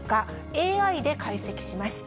ＡＩで解析しました。